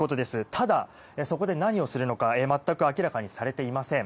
ただ、そこで何をするのか全く明らかにされていません。